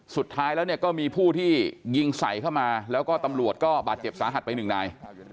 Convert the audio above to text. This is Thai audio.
สุดท้ายแล้วเนี่ยก็มีผู้ที่ยิงใส่เข้ามาแล้วก็ตำรวจก็บาดเจ็บสาหัสไปหนึ่งนาย